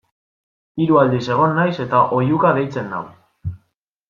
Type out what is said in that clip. Hiru aldiz egon naiz eta oihuka deitzen nau.